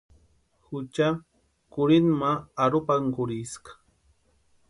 Jucha kurhinta ma arhupankurhiska.